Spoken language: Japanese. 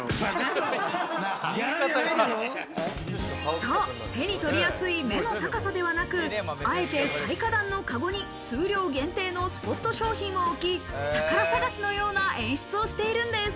そう、手に取りやすい目の高さではなく、あえて最下段のかごに数量限定のスポット商品を置き、宝探しのような演出をしているんです。